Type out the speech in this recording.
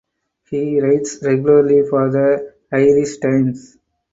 He writes regularly for The Irish Times.